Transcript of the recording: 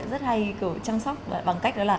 rất hay trang sóc bằng cách